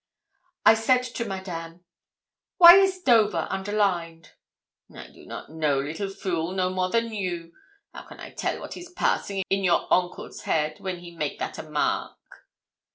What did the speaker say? I said to Madame 'Why is "Dover" underlined?' 'I do not know, little fool, no more than you. How can I tell what is passing in your oncle's head when he make that a mark?'